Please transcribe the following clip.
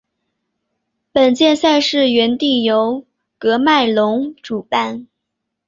本届赛事原定由喀麦隆主办。